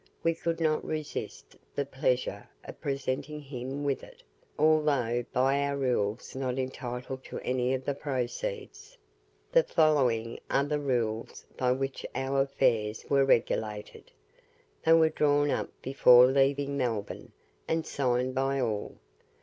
We could not resist the pleasure of presenting him with it, although by our rules not entitled to any of the proceeds. The following are the rules by which our affairs were regulated. They were drawn up before leaving Melbourne, and signed by all.